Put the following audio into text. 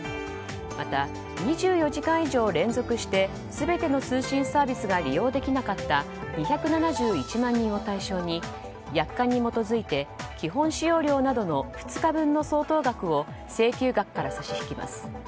また、２４時間以上連続して全ての通信サービスが利用できなかった２７１万人を対象に約款に基づいて基本使用料などの２日分の相当額を請求額から差し引きます。